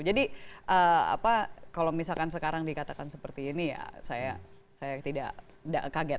jadi kalau misalkan sekarang dikatakan seperti ini ya saya tidak kaget